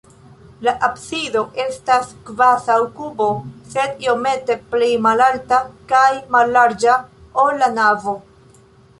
La absido estas kvazaŭ kubo, sed iomete pli malalta kaj mallarĝa, ol la navo.